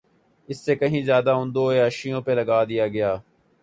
اس سے کہیں زیادہ ان دو عیاشیوں پہ لگا دیا گیا۔